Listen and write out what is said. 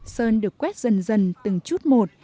sơn được quét dần dần từng chút một